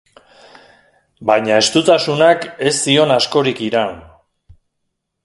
Baina estutasunak ez zion askorik iraun.